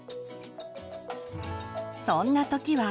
そんな時は。